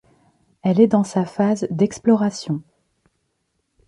Elle est dans sa phase d’exploration.